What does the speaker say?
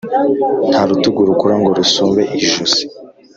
Ntarutugu rukura ngo rusumbe ijosi